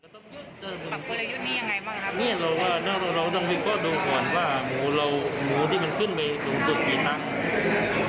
ตอนนี้เราต้องวิเคราะห์ดูก่อนว่าหมูที่มันขึ้นไปสูงสุดกี่ตังค์